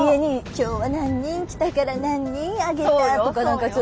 「今日は何人来たから何人上げた」とか何か。